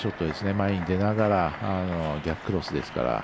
前に出ながら、逆クロスですから。